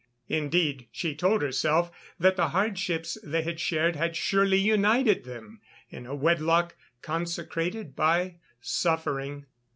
Indeed, she told herself that the hardships they had shared had surely united them in a wedlock consecrated by suffering.